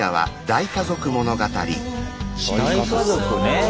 大家族ね！